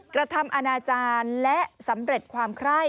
กระทำอาณาจารย์และสำเร็จความคล่าย